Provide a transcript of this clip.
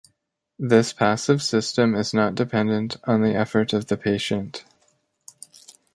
This "passive system" is not dependent on the effort of the patient.